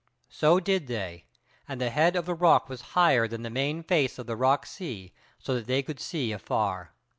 So did they, and the head of the rock was higher than the main face of the rock sea, so that they could see afar.